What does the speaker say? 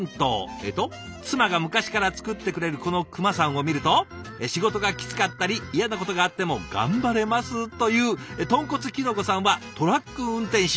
えっと「妻が昔から作ってくれるこのクマさんを見ると仕事がキツかったり嫌なことがあっても頑張れます」という豚骨キノコさんはトラック運転手。